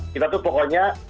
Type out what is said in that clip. kita tuh pokoknya